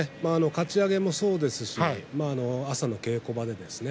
かち上げもそうですし朝の稽古場でですね